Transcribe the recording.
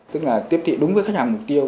tức là tiếp thị đúng với khách hàng mục tiêu